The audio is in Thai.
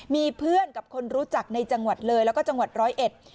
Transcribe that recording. มีเพื่อนกับคนรู้จักในจังหวัดเลยแล้วก็จังหวัดร้อยเอ็ด